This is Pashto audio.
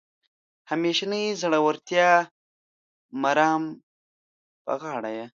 د همیشنۍ زړورتیا مرام په غاړه یې.